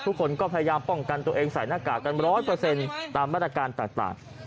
ทุกคนก็พยายามป้องกันตัวเองใส่หน้ากากกัน๑๐๐ตามมาตรการต่าง